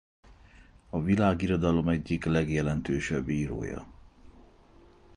A világirodalom egyik legjelentősebb írója.